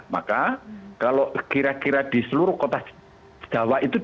maka kalau kira kira di seluruh kota jawa itu